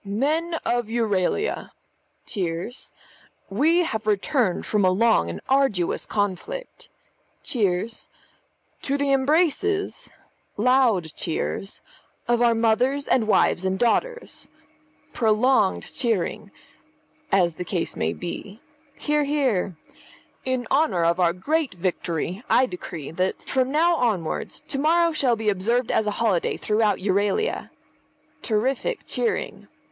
"Men of Euralia (cheers). We have returned from a long and arduous conflict (cheers) to the embraces (loud cheers) of our mothers and wives and daughters (prolonged cheering) as the case may be (hear, hear). In honour of our great victory I decree that, from now onwards, to morrow shall be observed as a holiday throughout Euralia (terrific cheering).